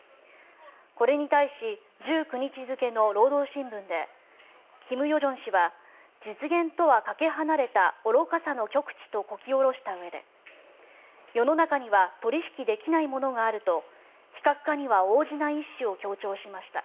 これに対し１９日付の労働新聞で金与正氏は、実現とはかけ離れた愚かさの極致とこき下ろしたうえで世の中には取引できないものがあると非核化には応じない意思を強調しました。